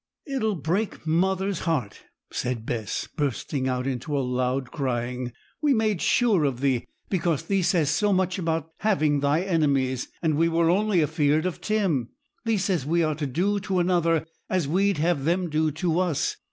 'It'll break mother's heart,' said Bess, bursting out into a loud crying. 'We made sure of thee, because thee says so much about having thy enemies; and we were only afeared of Tim. Thee says we are to do to another as we'd have them do to us.